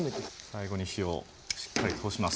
最後に火をしっかり通します。